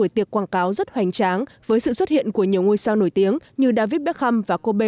tiệc quảng cáo rất hoành tráng với sự xuất hiện của nhiều ngôi sao nổi tiếng như david beckham và kobe